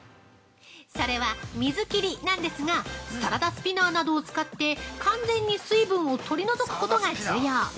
それは水切りなんですがサラダスピナーなどを使って完全に水分を取り除くことが重要。